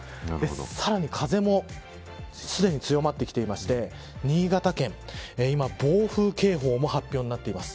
さらに風もすでに強まってきていまして新潟県、今暴風警報も発表になっています。